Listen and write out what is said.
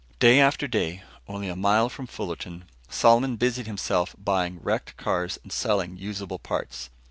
Day after day, only a mile from Fullerton, Solomon busied himself buying wrecked cars and selling usable parts.